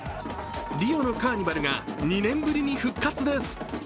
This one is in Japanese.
リオのカーニバルが２年ぶりに復活です。